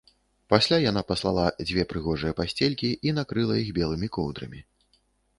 Пасля яна паслала дзве прыгожыя пасцелькі і накрыла іх белымі коўдрамі